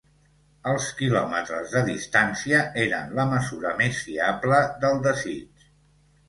Els quilòmetres de distància eren la mesura més fiable del desig.